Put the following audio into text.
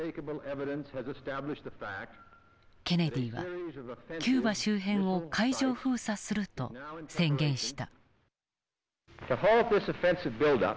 ケネディはキューバ周辺を海上封鎖すると宣言した。